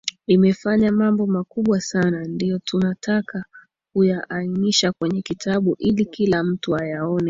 imefanya mambo makubwa sana ndio tunataka kuyaanisha kwenye kitabu ili kila mtu ayaone